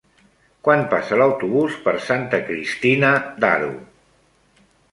Quan passa l'autobús per Santa Cristina d'Aro?